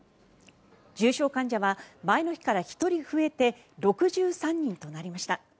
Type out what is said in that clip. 重症患者は前の日から１人増えて６３人となりました。